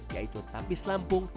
yaitu tapis lampung